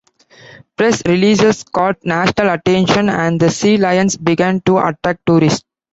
Press releases caught national attention, and the sea lions began to attract tourists.